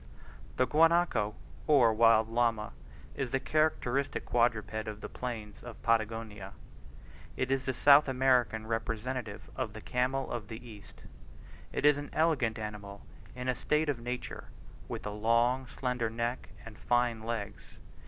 The guanaco, or wild llama, is the characteristic quadruped of the plains of Patagonia; it is the South American representative of the camel of the East. It is an elegant animal in a state of nature, with a long slender neck and fine legs.